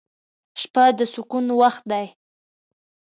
• شپه د سکون وخت دی.